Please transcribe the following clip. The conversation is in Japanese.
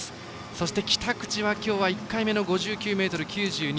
そして北口は今日１回目の５９ｍ９２。